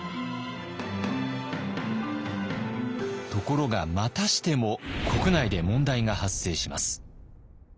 ところがまたしても国内で問題が発生します。